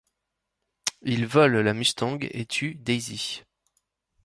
Ils volent la Mustang et tuent Daisy.